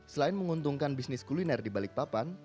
selain menguntungkan bisnis kuliner di balikpapan